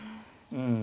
うん。